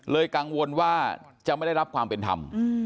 กังวลว่าจะไม่ได้รับความเป็นธรรม